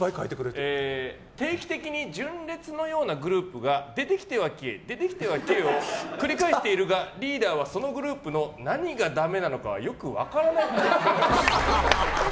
定期的に純烈のようなグループが出てきては消え出てきては消えを繰り返しているがリーダーはそのグループの何がダメなのかはよく分からないっぽい。